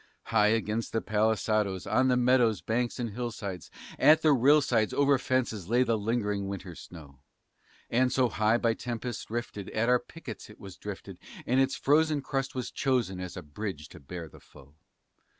High against the palisadoes, on the meadows, banks, and hill sides, At the rill sides, over fences, lay the lingering winter snow; And so high by tempest rifted, at our pickets it was drifted, That its frozen crust was chosen as a bridge to bear the foe.